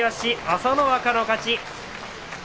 朝乃若の勝ち。